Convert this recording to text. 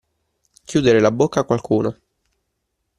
Chiudere la bocca a qualcuno.